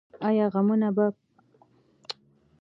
آیا غمونه به خوشحالي شي؟